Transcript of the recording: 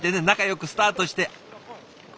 仲よくスタートして。